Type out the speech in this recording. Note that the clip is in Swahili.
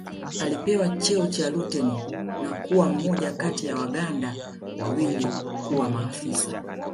Alipewa cheo cha luteni na kuwa mmoja kati wa Waganda wawili kuwa maafisa